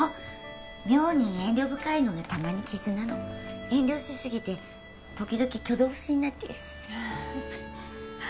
妙に遠慮深いのが玉に瑕なの遠慮しすぎて時々挙動不審になってるし